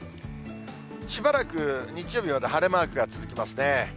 しばらく日曜日まで晴れマークが続きますね。